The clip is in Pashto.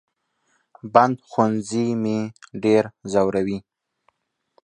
بند ښوونځي مې ډېر زوروي